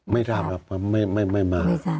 ไม่ทราบครับไม่มา